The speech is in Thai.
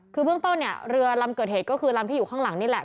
คือเบื้องต้นเนี่ยเรือลำเกิดเหตุก็คือลำที่อยู่ข้างหลังนี่แหละ